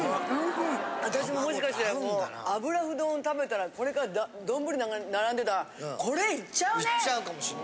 私ももしかしたら油麩丼を食べたらこれから丼なんか並んでたらこれいっちゃうね！